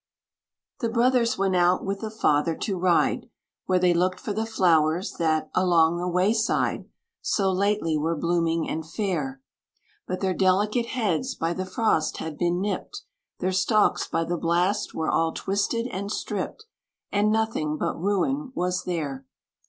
The brothers went out with the father to ride, Where they looked for the flowers, that, along the way side, So lately were blooming and fair; But their delicate heads by the frost had been nipped; Their stalks by the blast were all twisted and stripped; And nothing but ruin was there.